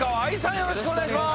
よろしくお願いします。